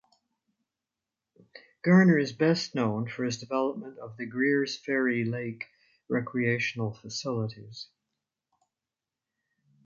Garner is best known for his development of the Greers Ferry Lake recreational facilities.